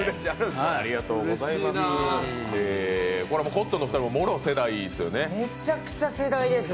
コットンのお二人ももろ世代ですよね。